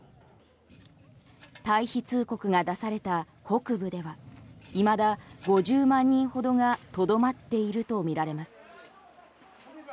退避通告が出された北部では、いまだ５０万人ほどがとどまっているとみられます。